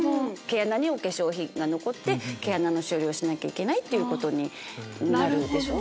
毛穴にお化粧品が残って毛穴の処理をしなきゃいけないっていうことになるでしょ。